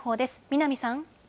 南さん。